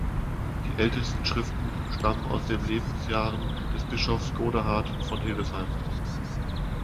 Die ältesten Schriften stammen aus den Lebensjahren des Bischofs Godehard von Hildesheim.